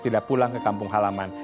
tidak pulang ke kampung halaman